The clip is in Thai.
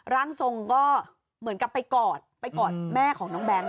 ร่างทรงก็เหมือนกับไปกอดไปกอดแม่ของน้องแบงค์